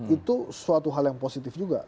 itu suatu hal yang positif juga